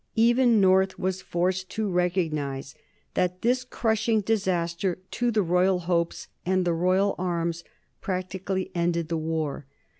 Even North was forced to recognize that this crushing disaster to the royal hopes and the royal arms practically ended the war.